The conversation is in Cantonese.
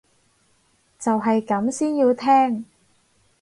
就係咁先要聽